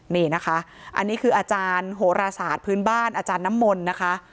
นี่นะคะอันนี้คืออาจารย์โหราศาสตร์พื้นบ้านอาจารย์น้ำมนต์นะคะ